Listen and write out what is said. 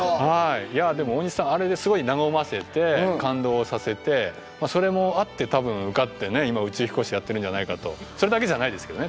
いやでも大西さんあれですごい和ませて感動させてそれもあって多分受かって今宇宙飛行士やってるんじゃないかとそれだけじゃないですけどね